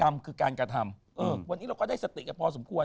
กรรมคือการกระทำวันนี้เราก็ได้สติกันพอสมควร